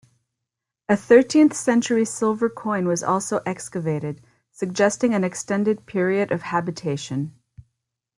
A thirteenth century silver coin was also excavated, suggesting an extended period of habitation.